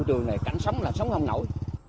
từ này cảnh sống là sống không nổi